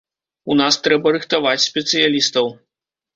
У нас трэба рыхтаваць спецыялістаў.